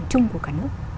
trung của cả nước